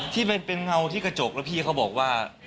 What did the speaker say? ที่เป็นเงาที่กระจกแล้วพี่เขาบอกว่า